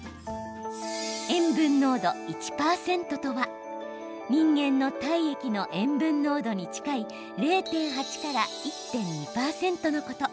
塩分濃度１％とは人間の体液の塩分濃度に近い０．８から１．２％のこと。